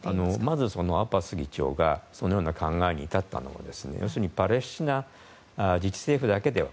まずアッバス議長がそのような考えに至ったのは要するにパレスチナ自治政府だけでは。